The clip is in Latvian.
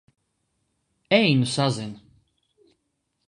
Ej nu sazin!